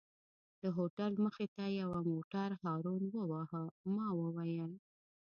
د هوټل مخې ته یوه موټر هارن وواهه، ما وویل.